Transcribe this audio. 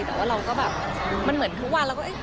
แต่ว่าเราก็แบบมันเหมือนทุกวันเราก็เอ๊ะ